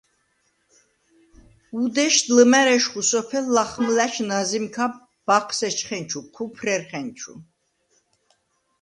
უდეშდ ლჷმა̈რ ეშხუ სოფელ ლახმჷლა̈შ ნაზიმქა ბაჴს ეჩხენჩუ, ჴუმფრერხენუ.